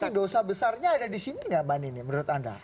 tapi dosa besarnya ada di sini nggak mbak nini menurut anda